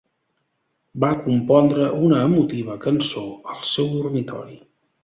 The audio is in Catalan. Va compondre una emotiva cançó al seu dormitori.